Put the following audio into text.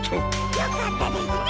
よかったですね。